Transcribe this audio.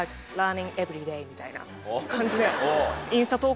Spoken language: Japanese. みたいな感じで。